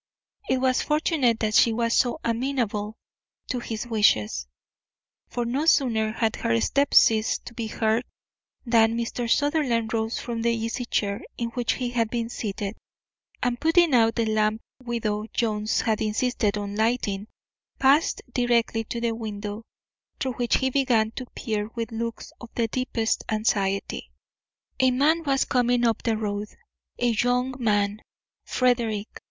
It was fortunate she was so amenable to his wishes, for no sooner had her steps ceased to be heard than Mr. Sutherland rose from the easy chair in which he had been seated, and, putting out the lamp widow Jones had insisted on lighting, passed directly to the window, through which he began to peer with looks of the deepest anxiety. A man was coming up the road, a young man, Frederick.